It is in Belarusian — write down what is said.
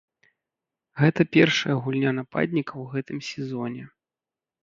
Гэта першая гульня нападніка ў гэтым сезоне.